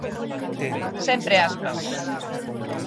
Sempre Aspas.